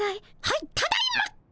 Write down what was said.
はいただいま！